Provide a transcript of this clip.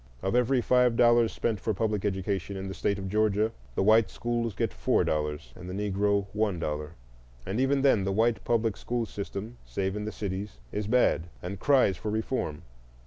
Of every five dollars spent for public education in the State of Georgia, the white schools get four dollars and the Negro one dollar; and even then the white public school system, save in the cities, is bad and cries for reform.